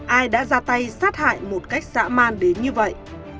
ai đã ra tay sát hại một cách dã man đến như vậy